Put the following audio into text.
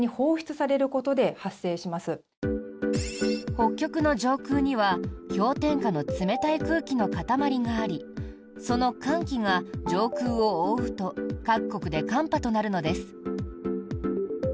北極の上空には氷点下の冷たい空気の塊がありその寒気が上空を覆うと各国で寒波となるのです。